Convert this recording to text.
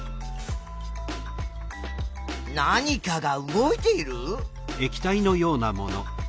何かが動いている？